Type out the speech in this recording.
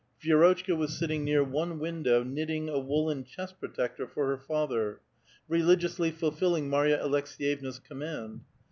Vi^rotchka was sitting near one window, knitting a woollen chest protector for her lather, religiously fulfilling Marya Aleks^'yevna's command.